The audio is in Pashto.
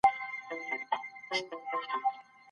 ادبي ذوق د انسان په ژوند کې نوي رنګونه پیدا کوي.